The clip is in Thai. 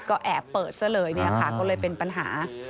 ก็แอบเปิดซะเลยเนี่ยค่ะก็เลยเป็นปัญหา